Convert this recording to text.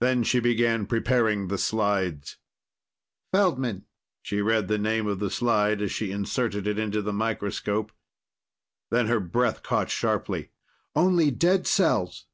Then she began preparing the slides. "Feldman," she read the name of the slide as she inserted it into the microscope. Then her breath caught sharply. "Only dead cells!"